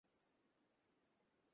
আমার মনে হচ্ছে উৎসবের মধ্যে আছি।